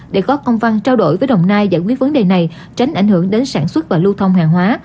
để có công văn trao đổi với đồng nai giải quyết vấn đề này tránh ảnh hưởng đến sản xuất và lưu thông hàng hóa